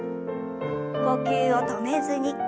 呼吸を止めずに。